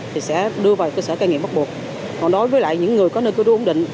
thì sẽ đưa vào cơ sở cai nghiện bắt buộc còn đối với lại những người có nơi cư trú ổn định